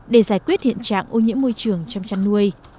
để giải quyết hiện trạng ô nhiễm môi trường trong chăn nuôi